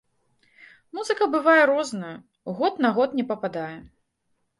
Музыка бывае рознаю, год на год не пападае.